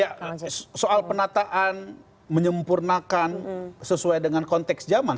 ya soal penataan menyempurnakan sesuai dengan konteks zaman